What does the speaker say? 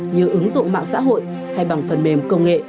như ứng dụng mạng xã hội hay bằng phần mềm công nghệ